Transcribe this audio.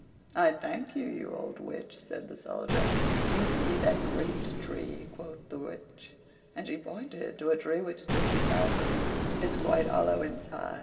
"I thank you, you old Witch" said the Soldier. "Do you see that great tree?" quoth the Witch; and she pointed to a tree which stood beside them. "It's quite hollow inside.